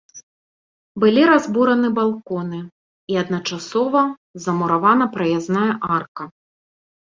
Былі разбураны балконы і адначасова замуравана праязная арка.